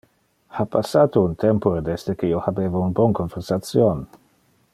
Ha passate un tempore desde que io habeva un bon conversation.